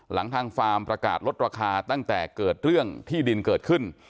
ทางฟาร์มประกาศลดราคาตั้งแต่เกิดเรื่องที่ดินเกิดขึ้น